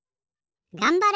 がんばれ！